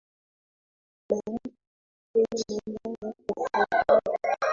Bariki kenya baba tufurahie.